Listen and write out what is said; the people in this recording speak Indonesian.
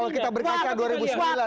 kalau kita berkata dua ribu sembilan bisa